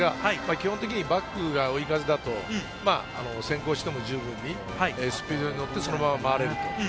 基本的にバックが追い風だと、先行しても、十分にスピードに乗って、そのまま周れると。